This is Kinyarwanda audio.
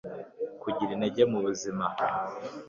kugira intego mu buzima